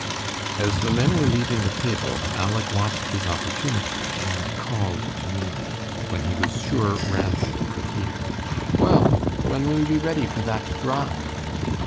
As the men were leaving the table, Aleck watched his opportunity and called to Maimie, when he was sure Ranald could hear, "Well, when will you be ready for that drive?"